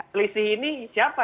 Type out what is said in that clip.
kelisih ini siapa